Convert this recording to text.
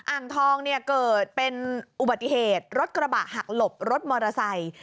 อ่างทองเนี่ยเกิดเป็นอุบัติเหตุรถกระบะหักหลบรถมอเตอร์ไซค์